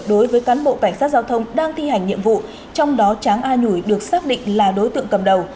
đối với cán bộ cảnh sát giao thông đang thi hành nhiệm vụ trong đó tráng a nhủi được xác định là đối tượng cầm đầu